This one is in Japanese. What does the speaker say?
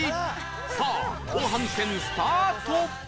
さあ後半戦スタート！